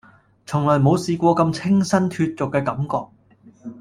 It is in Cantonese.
從來冇試過咁清新脫俗嘅感覺